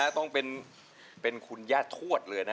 ต้องเป็นคุณย่าทวดเลยนะ